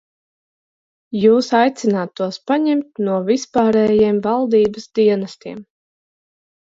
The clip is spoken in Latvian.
Jūs aicināt tos paņemt no vispārējiem valdības dienestiem.